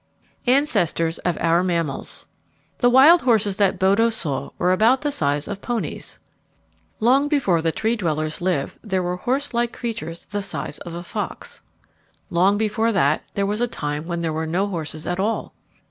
Ancestors of Our Mammals The wild horses that Bodo saw were about the size of ponies. Long before the Tree dwellers lived there were horse like creatures the size of a fox. Long before that there was a time when there were no horses at all.